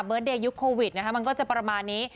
เดยยุคโควิดนะคะมันก็จะประมาณนี้